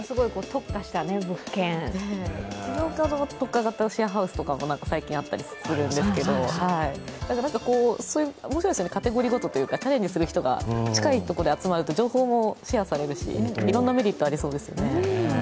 農家も特化型シェアハウスとか最近あったりするんですけど、面白いですよね、カテゴリーごとというか、チャレンジする人が近いところで集まると情報もシェアされるし、いろんなメリットありそうですね。